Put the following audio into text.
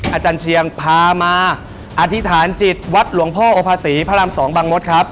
อาจารย์เชียงพามาอธิษฐานจิตวัดหลวงพ่อโอภาษีพระราม๒บางมศครับ